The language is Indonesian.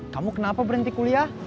kamu kenapa berhenti kuliah